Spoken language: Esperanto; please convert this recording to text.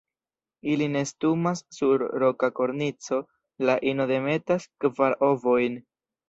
Ili nestumas sur roka kornico; la ino demetas kvar ovojn.